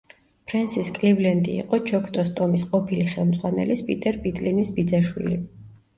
ფრენსის კლივლენდი იყო ჩოქტოს ტომის ყოფილი ხელმძღვანელის, პიტერ პიტლინის ბიძაშვილი.